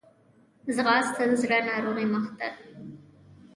ځغاسته د زړه ناروغۍ مخه نیسي